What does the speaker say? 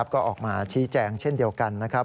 ก็ออกมาชี้แจงเช่นเดียวกันนะครับ